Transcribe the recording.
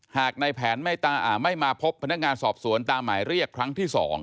หากในแผนไม่มาพบพนักงานสอบสวนตามหมายเรียกครั้งที่๒